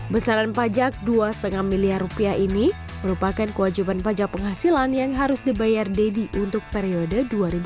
besaran pajak dua lima miliar rupiah ini merupakan kewajiban pajak penghasilan yang harus dibayar deddy untuk periode dua ribu dua puluh empat